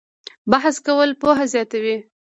بحث کول پوهه زیاتوي